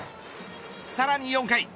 さらに４回。